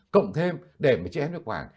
cộng thêm để trị hen phế khoản